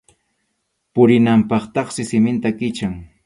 Purinanpaqtaqsi siminta kichan.